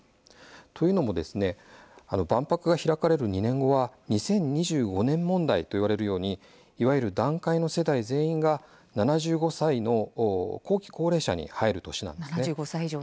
というのも万博が開かれる２年後は２０２５年問題といわれるようにいわゆる団塊の世代全員が７５歳の後期高齢者に入る年なんです。